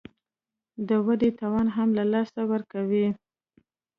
د ودې توان هم له لاسه ورکوي